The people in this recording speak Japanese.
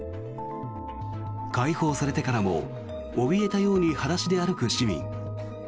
解放されてからもおびえたように裸足で歩く市民。